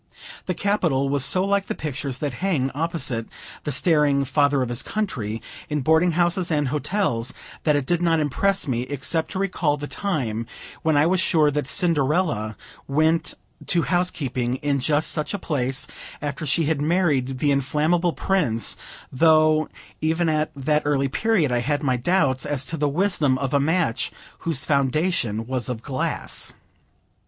The Capitol was so like the pictures that hang opposite the staring Father of his Country, in boarding houses and hotels, that it did not impress me, except to recall the time when I was sure that Cinderella went to housekeeping in just such a place, after she had married the inflammable Prince; though, even at that early period, I had my doubts as to the wisdom of a match whose foundation was of glass.